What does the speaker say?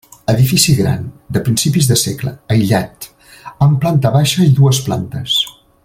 Edifici gran, de principis de segle, aïllat, amb planta baixa i dues plantes.